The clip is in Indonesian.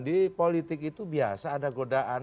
di politik itu biasa ada godaan